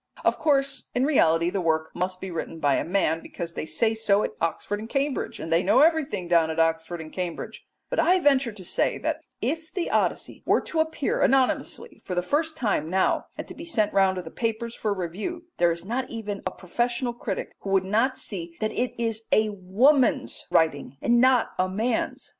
Of course in reality the work must be written by a man, because they say so at Oxford and Cambridge, and they know everything down in Oxford and Cambridge; but I venture to say that if the Odyssey were to appear anonymously for the first time now, and to be sent round to the papers for review, there is not even a professional critic who would not see that it is a woman's writing and not a man's.